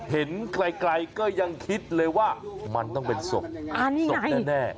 เห็นไกลก็ยังคิดเลยว่ามันต้องเป็นศพศพแน่